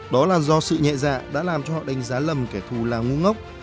đó là do sự nhẹ dạ đã làm cho họ đánh giá lầm kẻ thù là ngu ngốc